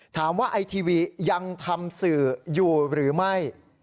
ไอทีวียังทำสื่ออยู่หรือไม่